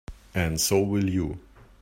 And so will you.